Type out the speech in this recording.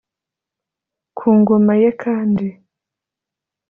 Ku ngoma ye kandi